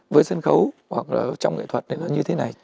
với sân khấu hoặc là trong nghệ thuật thì nó như thế này